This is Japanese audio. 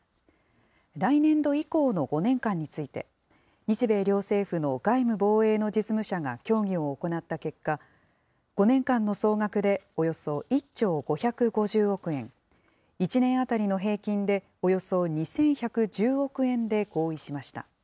来年度以降の５年間について、日米両政府の外務・防衛の実務者が協議を行った結果、５年間の総額でおよそ１兆５５０億円、１年当たりの平均でおよそ２１１０億円で合意しました。